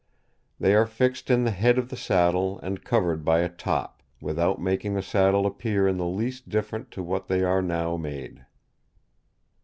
They are fix'd in the head of the saddle and cover'd by a top, without making the saddle appear in the least different to what they are now made."